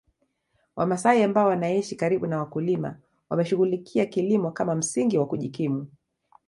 Wamasai ambao wanaishi karibu na wakulima wameshughulikia kilimo kama msingi wa kujikimu